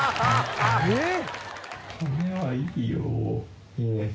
えっ⁉